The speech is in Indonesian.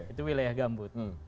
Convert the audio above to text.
itu wilayah gambut